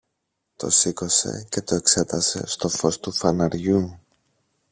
Το σήκωσε και το εξέτασε στο φως του φαναριού.